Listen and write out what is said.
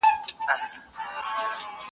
هغه څوک چي سفر کوي تجربه اخلي.